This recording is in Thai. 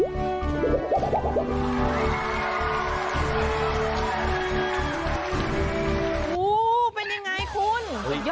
โอ้โฮเป็นอย่างไรคุณ